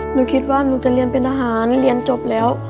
หนูคิดว่าหนูจะเรียนเป็นทหารเรียนจบแล้ว